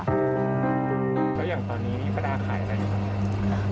แล้วอย่างตอนนี้ป้าดาขายอะไรอยู่ตรงนี้